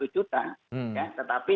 tujuh tujuh juta ya tetapi